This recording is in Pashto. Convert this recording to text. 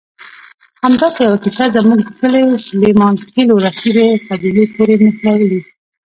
همداسې یوه کیسه زموږ د کلي سلیمانخېلو رقیبې قبیلې پورې نښلولې.